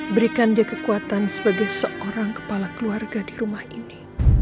berikan dia kekuatan sebagai seorang kepala keluarga di rumah ini